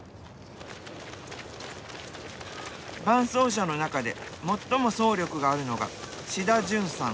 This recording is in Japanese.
伴走者の中で最も走力があるのが志田淳さん